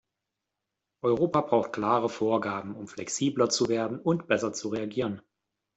Europa braucht klare Vorgaben, um flexibler zu werden und besser zu reagieren.